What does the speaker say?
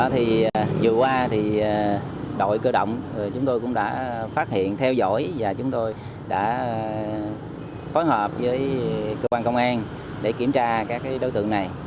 thì vừa qua thì đội cơ động chúng tôi cũng đã phát hiện theo dõi và chúng tôi đã phối hợp với cơ quan công an để kiểm tra các đối tượng này